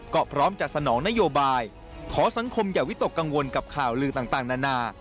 ก็พร้อมจัดสนองนโยบายขอสังคมอย่าวิตกกังวลกับข่าวลือต่างนานา